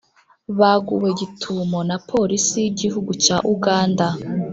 baguwe gitumo na polisi yi gihugu cya uganda